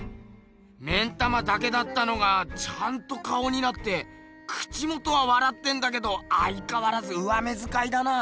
目ん玉だけだったのがちゃんと顔になって口元はわらってんだけどあいかわらず上目づかいだな。